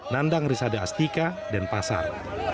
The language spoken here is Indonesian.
nandang risada astika dan pasar